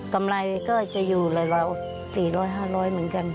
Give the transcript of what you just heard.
กำไรก็จะอยู่หลาย๔๐๐๕๐๐เหมือนกัน